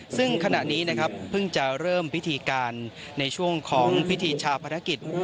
ซึ่งขณะนี้นะครับเพิ่งจะเริ่มพิธีการในช่วงของพิธีชาพนักกิจ